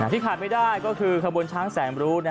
ขาดไม่ได้ก็คือขบวนช้างแสนรู้